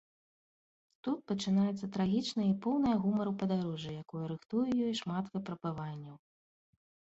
Тут пачынаецца трагічнае і поўнае гумару падарожжа, якое рыхтуе ёй шмат выпрабаванняў.